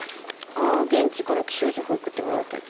ああ現地から気象情報送ってもらうってやつ？